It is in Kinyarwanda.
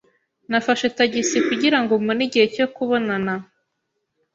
Nafashe tagisi kugira ngo mbone igihe cyo kubonana.